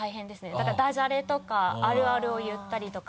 だからダジャレとかあるあるを言ったりとか。